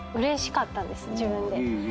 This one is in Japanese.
自分で。